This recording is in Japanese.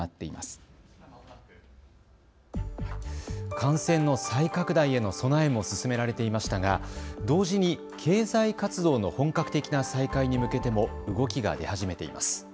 感染の再拡大への備えも進められていましたが、同時に経済活動の本格的な再開に向けても動きが出始めています。